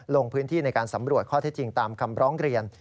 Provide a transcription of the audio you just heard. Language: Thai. ลงพื้นที่ในการสำรวจข้อเท็จจริงตามคำร้องเรียน